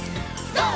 ＧＯ！